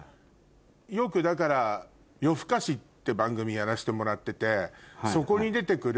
よくだから。って番組やらせてもらっててそこに出て来る。